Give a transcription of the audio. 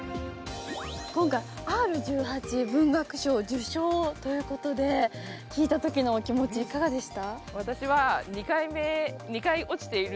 今回Ｒ−１８文学賞受賞ということで聞いたときのお気持ちいかがでした？